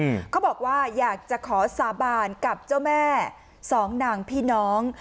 เขาบอกว่าอยากจะขอสาบานกับเจ้าแม่สองนางพี่น้อง